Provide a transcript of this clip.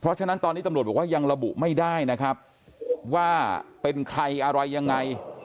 เพราะฉะนั้นตอนนี้ตำรวจบอกว่ายังระบุไม่ได้นะครับว่าเป็นใครอะไรยังไง